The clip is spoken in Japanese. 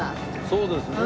そうですね。